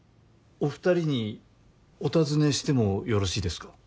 お二人にお尋ねしてもよろしいですか？